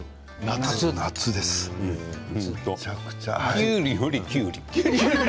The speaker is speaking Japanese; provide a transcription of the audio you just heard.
きゅうりよりきゅうり。